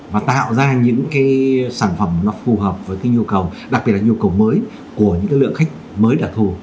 và tạo ra những cái sản phẩm nó phù hợp với cái nhu cầu đặc biệt là nhu cầu mới của những lượng khách mới đặc thù